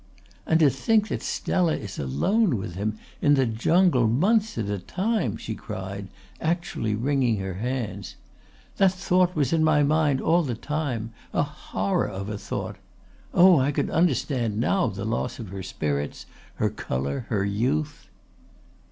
"And to think that Stella is alone with him in the jungle months at a time!" she cried, actually wringing her hands. "That thought was in my mind all the time a horror of a thought. Oh, I could understand now the loss of her spirits, her colour, her youth."